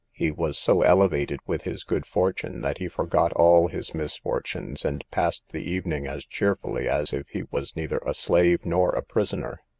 He was so elevated with his good fortune, that he forgot all his misfortunes, and passed the evening as cheerfully as if he was neither a slave nor a prisoner.